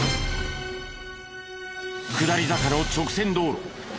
下り坂の直線道路。